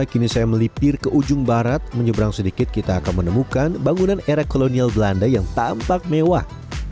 kini saya melipir ke ujung barat menyeberang sedikit kita akan menemukan bangunan era kolonial belanda yang tampak mewah